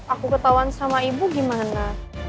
aku ketahuan sama ibu gimana